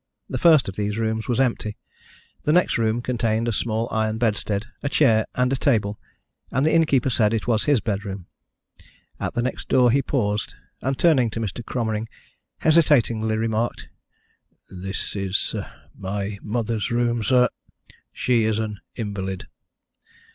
The first of these rooms was empty; the next room contained a small iron bedstead, a chair, and a table, and the innkeeper said that it was his bedroom. At the next door he paused, and turning to Mr. Cromering hesitatingly remarked: "This is my mother's room, sir. She is an invalid."